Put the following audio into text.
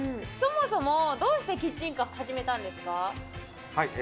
そもそも、どうしてキッチンカー、始めたんですか？